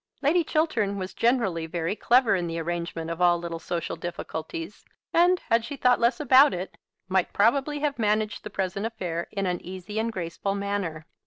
Lady Chiltern was generally very clever in the arrangement of all little social difficulties, and, had she thought less about it, might probably have managed the present affair in an easy and graceful manner.